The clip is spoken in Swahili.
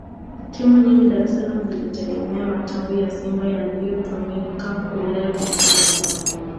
Timu nyingi Dar es salaam zilitegemea matawi ya Simba yaliyotumika kulea vipaji